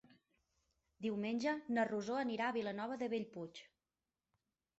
Diumenge na Rosó anirà a Vilanova de Bellpuig.